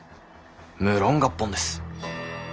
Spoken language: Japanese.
無論合本です。